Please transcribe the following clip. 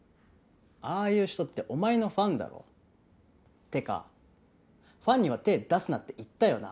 「ああいう人」ってお前のファンだろってかファンには手出すなって言ったよな？